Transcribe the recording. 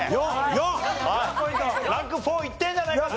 ランク４いってるんじゃないかと。